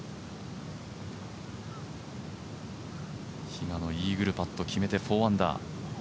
比嘉のイーグルパット決めて４アンダー。